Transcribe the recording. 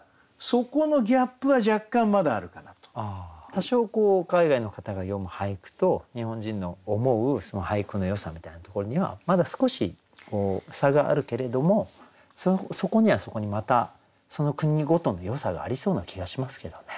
多少海外の方が詠む俳句と日本人の思う俳句のよさみたいなところにはまだ少し差があるけれどもそこにはそこにまたその国ごとのよさがありそうな気がしますけどね。